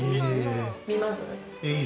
見ます？